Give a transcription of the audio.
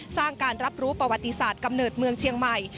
สร้างการรับรู้ประวัติศาสตร์กำเนิดเมืองเชียงใหม่